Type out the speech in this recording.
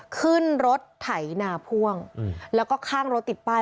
ขึ้นรถไถนาพ่วงแล้วก็ข้างรถติดป้าย